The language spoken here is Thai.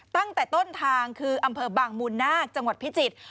ตั้งแต่ต้นทางคืออำเภอบางมูลนาคจังหวัดพิจิตร